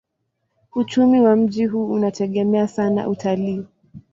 Uchumi wa mji huu unategemea sana utalii.